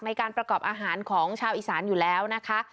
ในการประกอบอาหารของชาวอีสานอยู่แล้วนะคะ